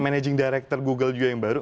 managing director google juga yang baru